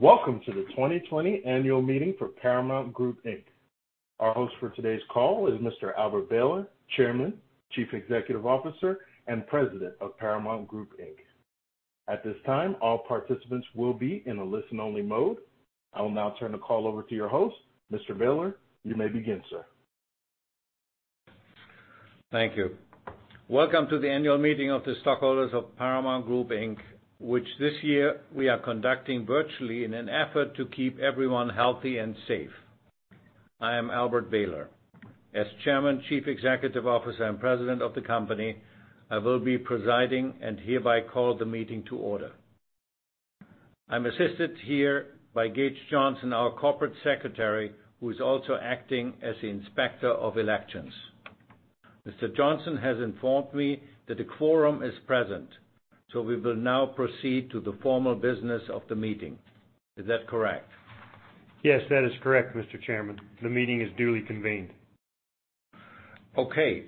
Welcome to the 2020 annual meeting for Paramount Group, Inc. Our host for today's call is Mr. Albert Behler, Chairman, Chief Executive Officer, and President of Paramount Group, Inc. At this time, all participants will be in a listen-only mode. I will now turn the call over to your host. Mr. Behler, you may begin, sir. Thank you. Welcome to the annual meeting of the stockholders of Paramount Group, Inc, which this year we are conducting virtually in an effort to keep everyone healthy and safe. I am Albert Behler. As Chairman, Chief Executive Officer, and President of the company, I will be presiding and hereby call the meeting to order. I'm assisted here by Gage Johnson, our Corporate Secretary, who is also acting as the inspector of elections. Mr. Johnson has informed me that a quorum is present, we will now proceed to the formal business of the meeting. Is that correct? Yes, that is correct, Mr. Chairman. The meeting is duly convened. Okay,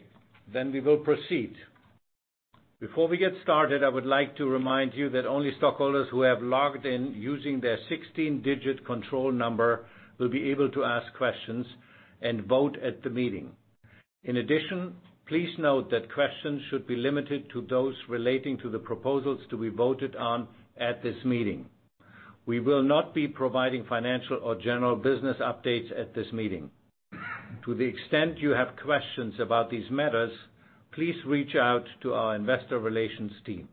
we will proceed. Before we get started, I would like to remind you that only stockholders who have logged in using their 16-digit control number will be able to ask questions and vote at the meeting. Please note that questions should be limited to those relating to the proposals to be voted on at this meeting. We will not be providing financial or general business updates at this meeting. To the extent you have questions about these matters, please reach out to our investor relations team.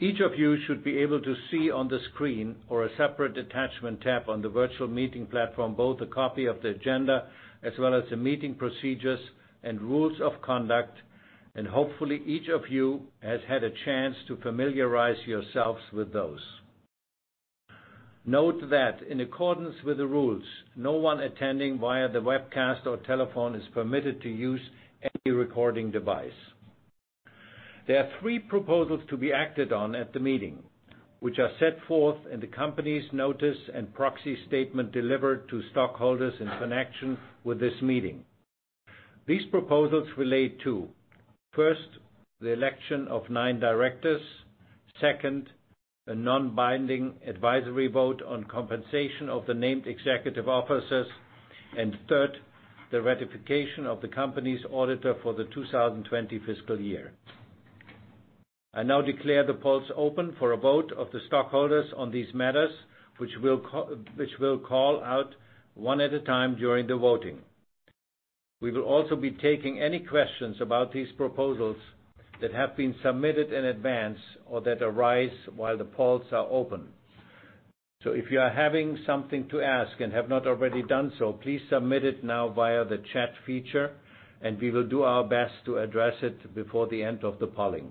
Each of you should be able to see on the screen or a separate attachment tab on the virtual meeting platform, both a copy of the agenda as well as the meeting procedures and rules of conduct, and hopefully, each of you has had a chance to familiarize yourselves with those. Note that in accordance with the rules, no one attending via the webcast or telephone is permitted to use any recording device. There are three proposals to be acted on at the meeting, which are set forth in the company's notice and proxy statement delivered to stockholders in connection with this meeting. These proposals relate to, first, the election of nine directors. Second, a non-binding advisory vote on compensation of the named executive officers. Third, the ratification of the company's auditor for the 2020 fiscal year. I now declare the polls open for a vote of the stockholders on these matters, which we'll call out one at a time during the voting. We will also be taking any questions about these proposals that have been submitted in advance or that arise while the polls are open. If you are having something to ask and have not already done so, please submit it now via the chat feature, and we will do our best to address it before the end of the polling.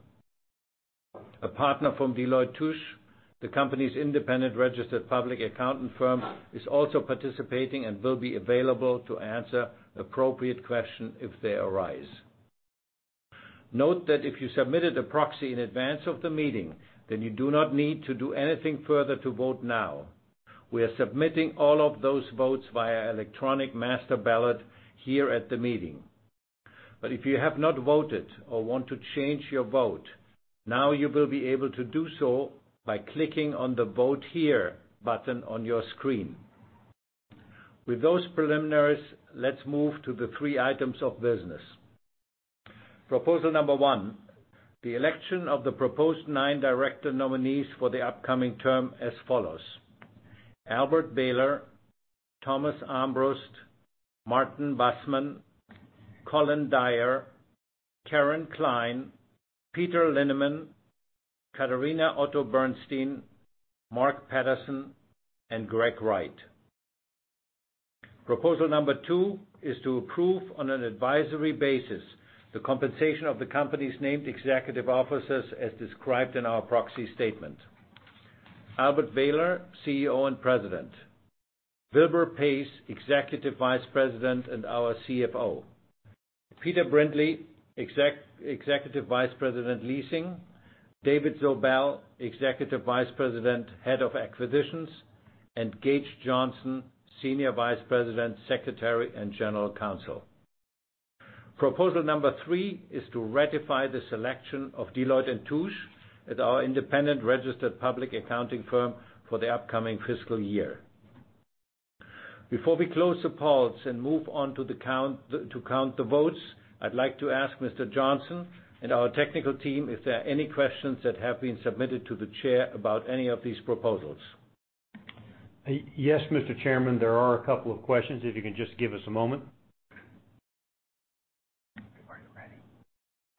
A partner from Deloitte & Touche, the company's independent registered public accounting firm, is also participating and will be available to answer appropriate questions if they arise. Note that if you submitted a proxy in advance of the meeting, you do not need to do anything further to vote now. We are submitting all of those votes via electronic master ballot here at the meeting. If you have not voted or want to change your vote, now you will be able to do so by clicking on the Vote Here button on your screen. With those preliminaries, let's move to the three items of business. Proposal number one, the election of the proposed nine director nominees for the upcoming term as follows: Albert Behler, Thomas Armbrust, Martin Bussmann, Colin Dyer, Karin Klein, Peter Linneman, Katharina Otto-Bernstein, Mark Patterson, and Greg Wright. Proposal number two is to approve on an advisory basis the compensation of the company's named executive officers as described in our proxy statement. Albert Behler, CEO and President. Wilbur Paes, Executive Vice President and our CFO. Peter Brindley, Executive Vice President, Leasing. David Zobel, Executive Vice President, Head of Acquisitions, and Gage Johnson, Senior Vice President, Secretary, and General Counsel. Proposal number three is to ratify the selection of Deloitte & Touche as our independent registered public accounting firm for the upcoming fiscal year. Before we close the polls and move on to count the votes, I'd like to ask Mr. Johnson and our technical team if there are any questions that have been submitted to the chair about any of these proposals. Yes, Mr. Chairman, there are a couple of questions, if you can just give us a moment.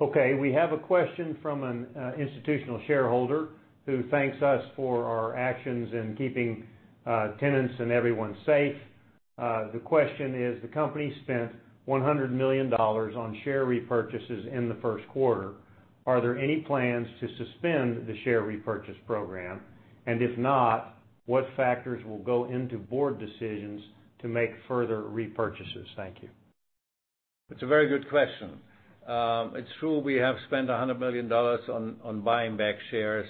Okay. We have a question from an institutional shareholder who thanks us for our actions in keeping tenants and everyone safe. The question is: The company spent $100 million on share repurchases in the first quarter. Are there any plans to suspend the share repurchase program? If not, what factors will go into board decisions to make further repurchases? Thank you. It's a very good question. It's true we have spent $100 million on buying back shares.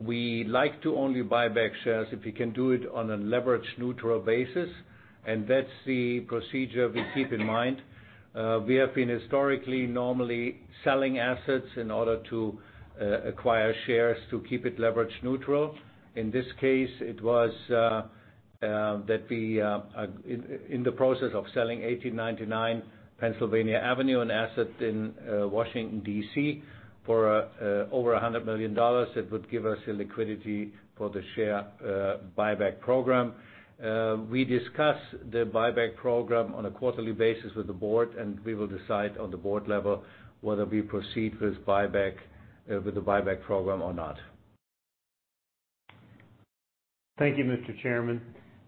We like to only buy back shares if we can do it on a leverage-neutral basis, and that's the procedure we keep in mind. We have been historically normally selling assets in order to acquire shares to keep it leverage neutral. In this case, it was that we are in the process of selling 1899 Pennsylvania Avenue, an asset in Washington, D.C., for over $100 million. It would give us the liquidity for the share buyback program. We discuss the buyback program on a quarterly basis with the board, and we will decide on the board level whether we proceed with the buyback program or not. Thank you, Mr. Chairman.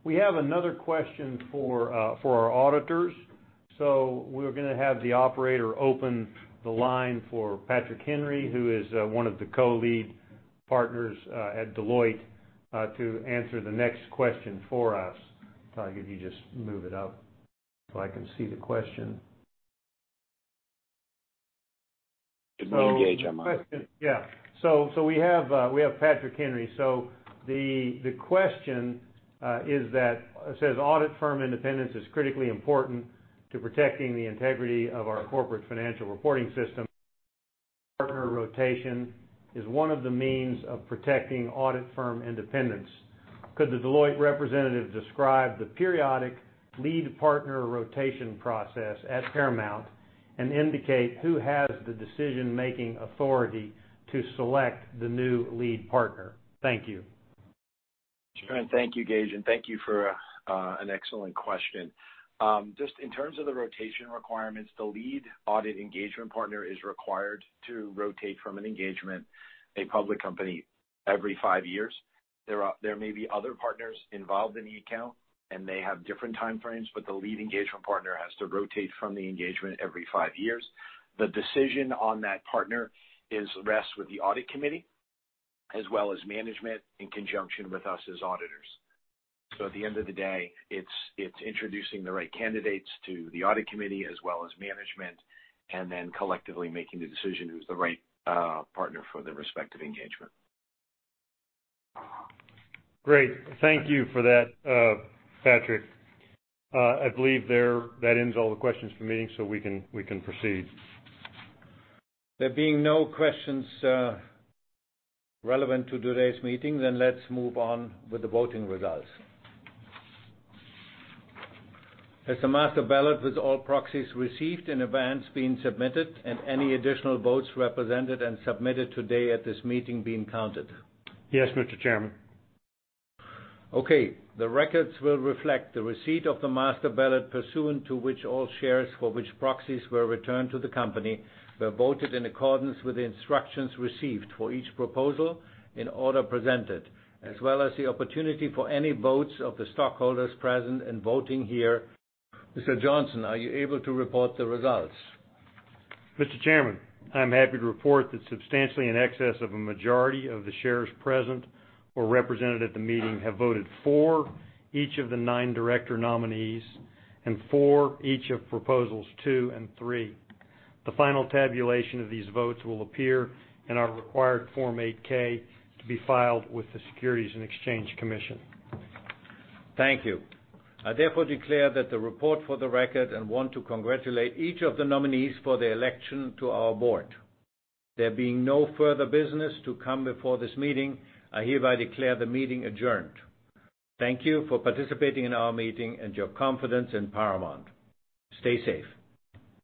We have another question for our auditors. We're going to have the operator open the line for Patrick Henry, who is one of the co-lead partners at Deloitte, to answer the next question for us. If you just move it up so I can see the question. Good morning, Gage, I'm on. Yeah. We have Patrick Henry. The question is that it says audit firm independence is critically important to protecting the integrity of our corporate financial reporting system. Partner rotation is one of the means of protecting audit firm independence. Could the Deloitte representative describe the periodic lead partner rotation process at Paramount and indicate who has the decision-making authority to select the new lead partner? Thank you. Sure, thank you, Gage, and thank you for an excellent question. Just in terms of the rotation requirements, the lead audit engagement partner is required to rotate from an engagement, a public company, every five years. There may be other partners involved in the account, and they have different time frames, but the lead engagement partner has to rotate from the engagement every five years. The decision on that partner rests with the audit committee as well as management in conjunction with us as auditors. At the end of the day, it's introducing the right candidates to the audit committee as well as management, and then collectively making the decision who's the right partner for the respective engagement. Great. Thank you for that, Patrick. I believe that ends all the questions for me. We can proceed. There being no questions relevant to today's meeting, let's move on with the voting results. Has the master ballot with all proxies received in advance been submitted and any additional votes represented and submitted today at this meeting being counted? Yes, Mr. Chairman. Okay. The records will reflect the receipt of the master ballot pursuant to which all shares for which proxies were returned to the company were voted in accordance with the instructions received for each proposal in order presented, as well as the opportunity for any votes of the stockholders present and voting here. Mr. Johnson, are you able to report the results? Mr. Chairman, I'm happy to report that substantially in excess of a majority of the shares present or represented at the meeting have voted for each of the nine director nominees and for each of Proposals two and three. The final tabulation of these votes will appear in our required Form 8-K to be filed with the Securities and Exchange Commission. Thank you. I therefore declare that the report for the record and want to congratulate each of the nominees for the election to our board. There being no further business to come before this meeting, I hereby declare the meeting adjourned. Thank you for participating in our meeting and your confidence in Paramount. Stay safe.